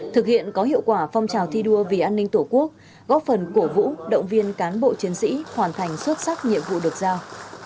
thực hiện có hiệu quả phong trào thi đua vì an ninh tổ quốc góp phần cổ vũ động viên cán bộ chiến sĩ hoàn thành xuất sắc nhiệm vụ được giao